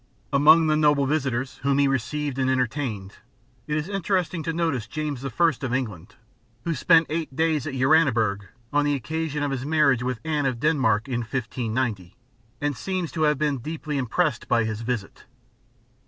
Among the noble visitors whom he received and entertained, it is interesting to notice James I. of England, who spent eight days at Uraniburg on the occasion of his marriage with Anne of Denmark in 1590, and seems to have been deeply impressed by his visit.